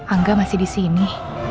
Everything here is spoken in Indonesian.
angga masih disini